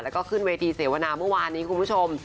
แล้วก็ขึ้นเวทีเสวนาเมื่อวานนี้คุณผู้ชม